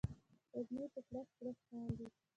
وږمې په کړس، کړس خاندي